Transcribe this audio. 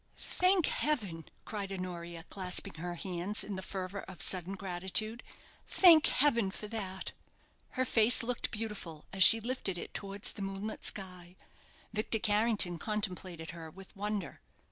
"Thank heaven!" cried Honoria, clasping her hands in the fervour of sudden gratitude; "thank heaven for that!" Her face looked beautiful, as she lifted it towards the moonlit sky. Victor Carrington contemplated her with wonder.